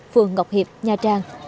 phường ngọc hiệp nha trang